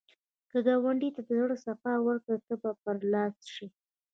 که ګاونډي ته د زړه صفا ورکړې، ته به برلاسی شې